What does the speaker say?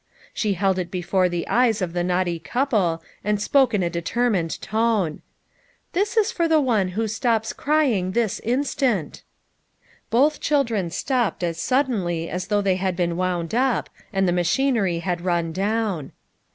She held it before the eyes of the naughty couple and spoke in a determined tone :" This is for the one who stops crying this instant." Both children stopped as suddenly as though they had been wound up, and the machinery had run down.